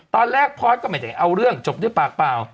ตอนแรกพอร์ตก็ไม่ได้เอาเรื่องจบด้วยปากเปล่า